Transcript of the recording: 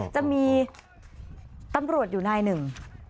จะมีตำรวจอยู่นายหนึ่ง